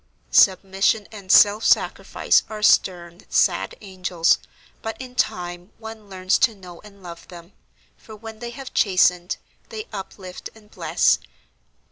Submission and self sacrifice are stern, sad angels, but in time one learns to know and love them, for when they have chastened, they uplift and bless.